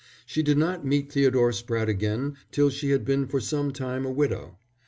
She did not meet Theodore Spratte again till she had been for some time a widow.